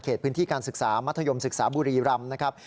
พื้นที่การศึกษามัธยมศึกษาบุรีรำนะครับ